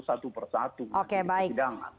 satu persatu oke baik